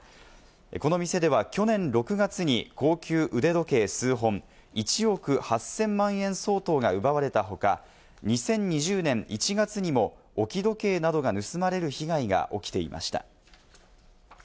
この店では去年６月に高級腕時計数本、１億８０００万円相当が奪われた他、２０２０年１月にも置き時計などが盗まれる被害が起きていました。